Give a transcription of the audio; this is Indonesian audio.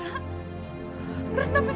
drama kesalahan dua reada joins